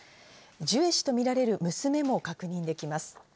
ジュエ氏とみられる娘も確認できます。